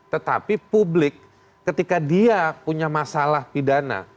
tetapi publik ketika dia punya masalah pidana